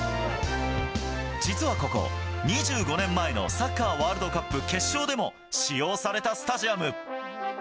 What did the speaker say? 実はここ、２５年前のサッカーワールドカップ決勝でも使用されたスタジアム。